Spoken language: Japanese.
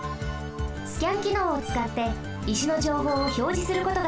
スキャンきのうをつかって石のじょうほうをひょうじすることができます。